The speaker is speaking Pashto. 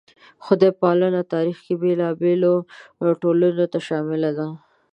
خدای پالنه تاریخ کې بېلابېلو ټولنو ته شامله ده.